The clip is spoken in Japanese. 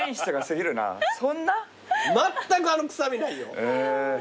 まったくあの臭みないよ。